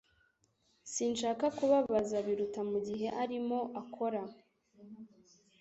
Sinshaka kubabaza Biruta mugihe arimo akora